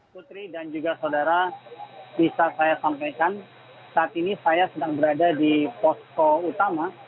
putri dan juga saudara bisa saya sampaikan saat ini saya sedang berada di posko utama